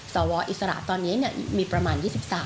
สวอิสระตอนนี้มีประมาณ๒๓